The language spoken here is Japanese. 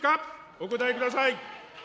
お答えください。